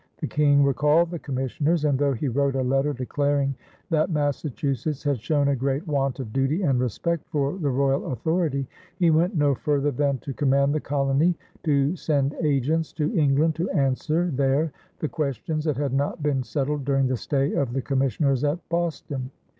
The King recalled the commissioners, and, though he wrote a letter declaring that Massachusetts had shown a great want of duty and respect for the royal authority, he went no further than to command the colony to send agents to England to answer there the questions that had not been settled during the stay of the commissioners at Boston.